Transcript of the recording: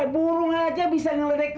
burung aja bisa